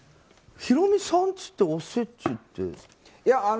ヒロミさんちっておせちって。